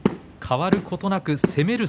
変わることなく攻める